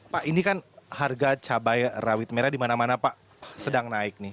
pak ini kan harga cabai rawit merah di mana mana pak sedang naik nih